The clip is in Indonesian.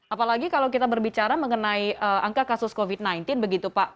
apalagi kalau kita berbicara mengenai angka kasus covid sembilan belas begitu pak